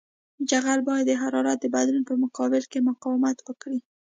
جغل باید د حرارت د بدلون په مقابل کې مقاومت وکړي